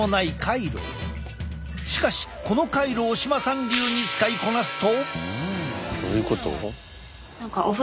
しかしこのカイロを嶋さん流に使いこなすと。